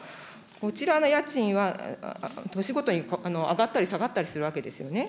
こちらの家賃は年ごとに上がったり下がったりするわけですよね。